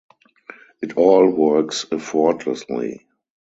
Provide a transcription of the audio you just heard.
It all works effortlessly.